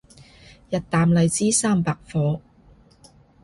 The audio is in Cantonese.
日啖荔枝三百顆